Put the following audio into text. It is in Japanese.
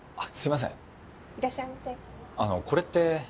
あのこれって。